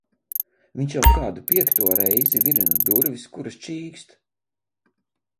Viņš jau kādu piekto reizi virina durvis, kuras čīkst.